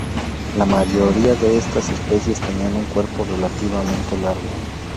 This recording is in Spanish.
La mayoría de estas especies tenían un cuerpo relativamente largo.